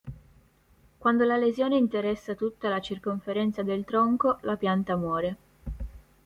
Quando la lesione interessa tutta la circonferenza del tronco, la pianta muore.